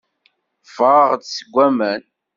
Ffɣeɣ-d seg waman.